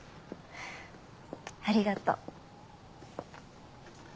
ありがとう。